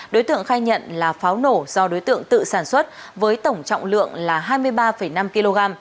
đối tượng khai nhận là pháo nổ do đối tượng tự sản xuất với tổng trọng lượng là hai mươi ba năm kg